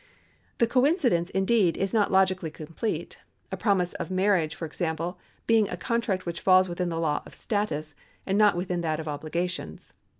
The coincidence, indeed, is not logically com plete : a promise of marriage, for example, being a contract which falls within the law of status, and not within that of obligations.